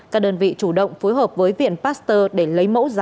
các đơn vị chủ động phối hợp với viện pasteur để lấy mẫu xét nghiệm